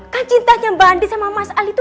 kan cintanya mbak andi sama mas ali itu